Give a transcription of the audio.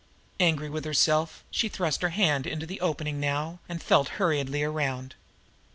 Angry with herself, she thrust her hand into the opening now and felt hurriedly around.